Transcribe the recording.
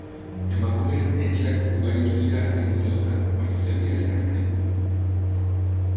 Emakumeen etxeak ugaritu dira azken urteotan, baina zer dira zehazki?